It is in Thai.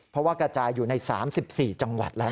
เพราะว่ากระจายอยู่ใน๓๔จังหวัดแล้ว